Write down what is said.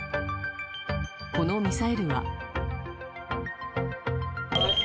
このミサイルは。